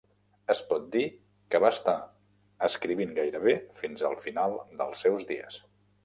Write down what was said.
Es pot dir que va estar escrivint gairebé fins al final dels seus dies.